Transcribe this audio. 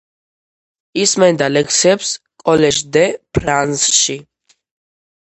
ისმენდა ლექციებს კოლეჟ დე ფრანსში.